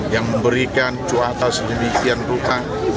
yang memberikan cuaca sedemikian rupa